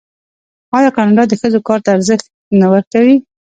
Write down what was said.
آیا کاناډا د ښځو کار ته ارزښت نه ورکوي؟